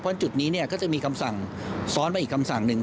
เพราะจุดนี้ก็จะมีคำสั่งซ้อนไปอีกคำสั่งหนึ่ง